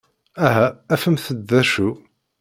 Aha afemt-d d acu!